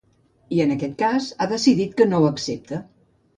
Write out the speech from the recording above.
I, en aquest cas, ha decidit que no ho accepta.